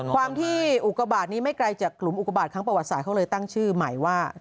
ความที่อุกบาทนี้ไม่ไกลจากกลุ่มอุกบาทครั้งประวัติศาสตร์เขาเลยตั้งชื่อใหม่ว่า